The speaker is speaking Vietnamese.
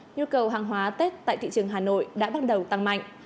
nhu cầu hàng hóa tết tại thị trường hà nội đã bắt đầu tăng mạnh